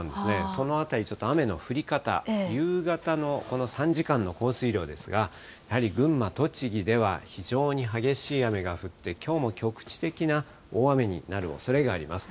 そのあたり、ちょっと雨の降り方、夕方のこの３時間の降水量ですが、やはり群馬、栃木では非常に激しい雨が降って、きょうも局地的な大雨になるおそれがあります。